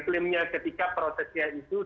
klaimnya ketika prosesnya itu